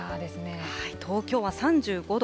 東京は３５度。